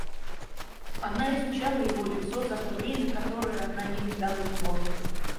Она изучала его лицо за то время, которое она не видала его.